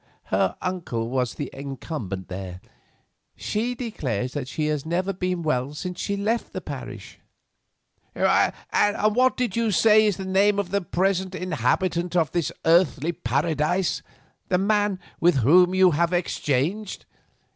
Her uncle was the incumbent there. She declares that she has never been well since she left the parish." "And what did you say is the name of the present inhabitant of this earthly paradise, the man with whom you have exchanged?"